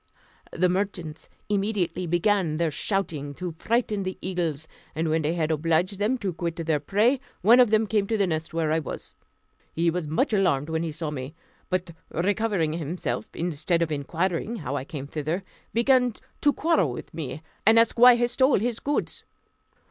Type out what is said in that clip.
The merchants immediately began their shouting to frighten the eagles; and when they had obliged them to quit their prey, one of them came to the nest where I was. He was much alarmed when he saw me; but recovering himself, instead of inquiring how I came thither, began to quarrel with me, and asked why I stole his goods?